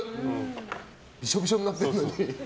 びしょびしょになってるのに。